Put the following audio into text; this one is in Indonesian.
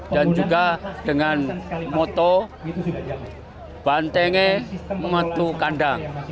dan juga dengan moto banteng metu kandang